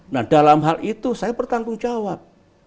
nah dalam hal itu saya bertanggung jawab